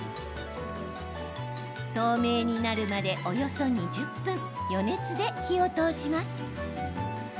透明になるまでおよそ２０分余熱で火を通します。